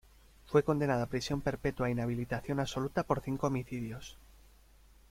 Fue condenado a prisión perpetua e inhabilitación absoluta por cinco homicidios.